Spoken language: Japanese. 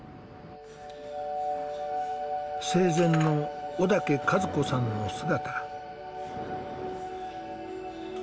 生前の小竹和子さんの姿。